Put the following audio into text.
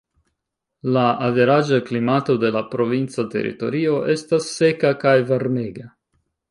La averaĝa klimato de la provinca teritorio estas seka kaj varmega.